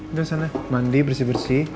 udah sana mandi bersih bersih